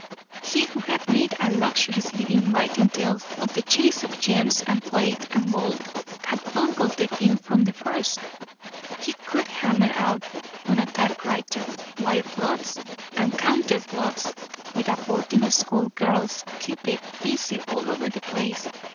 He who had made a luxurious living writing tales of the chase of gems and plate and gold had bungled the thing from the first. He could hammer out on a typewriter wild plots and counter plots with a boarding school girl's cupid busy all over the place.